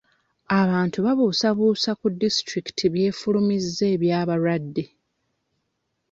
Abantu babuusabuusa ku disitulikiti by'efulumizza aby'abalwadde.